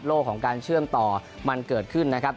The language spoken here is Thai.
ของการเชื่อมต่อมันเกิดขึ้นนะครับ